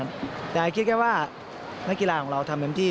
แต่อย่างนั้นคิดแค่ว่านักกีฬาของเราทำเต็มที่